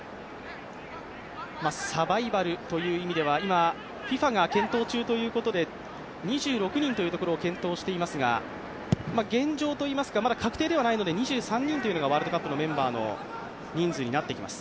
サバイバルという意味では今ＦＩＦＡが検討中ということで２６人というところを検討していますが、現状というかまだ確定ではないので２３人ということはワールドカップの人数になってきます。